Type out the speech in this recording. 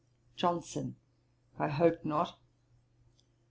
JOHNSON. 'I hope not.'